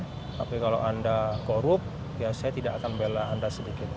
tapi kalau anda korup ya saya tidak akan bela anda sedikit